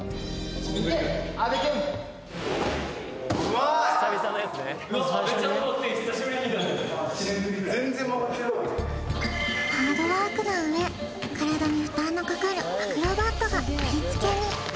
・いけ阿部くんハードワークな上体に負担のかかるアクロバットが振付に！